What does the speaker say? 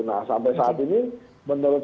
nah sampai saat ini menurut